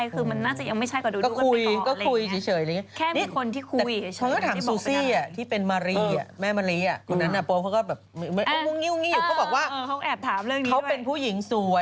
เขาเป็นผู้หญิงสวย